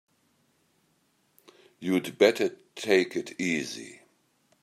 You'd better take it easy.